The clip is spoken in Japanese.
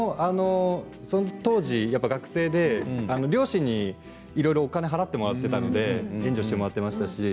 あれはさすがに僕もその当時学生で両親にいろいろお金を払ってもらっていたので援助してもらっていました。